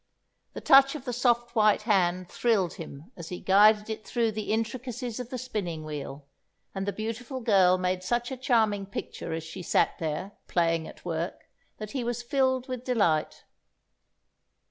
The touch of the soft white hand thrilled him as he guided it through the intricacies of the spinning wheel; and the beautiful girl made such a charming picture as she sat there, playing at work, that he was filled with delight.